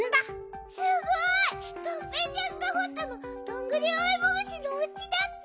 すごい！がんぺーちゃんがほったのどんぐりおいも虫のおうちだって！